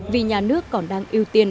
vì nhà nước còn đang ưu tiên